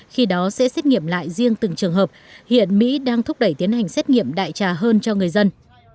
khi đó sẽ xét nghiệm lại riêng từng trường hợp hiện mỹ đang thúc đẩy tiến hành xét nghiệm đại trà hơn cho người dân